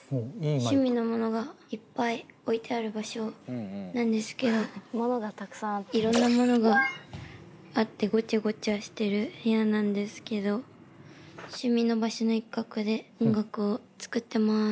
趣味のものがいっぱい置いてある場所なんですけどいろんなものがあってごちゃごちゃしてる部屋なんですけど趣味の場所の一角で音楽を作ってます。